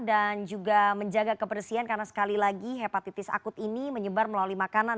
dan juga menjaga kepedesian karena sekali lagi hepatitis akut ini menyebar melalui makanan